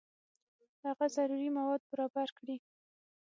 هغه ضروري مواد برابر کړي.